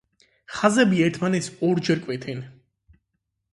ხაზები ერთმანეთს ორჯერ კვეთენ.